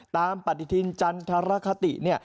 ปฏิทินจันทรคติเนี่ย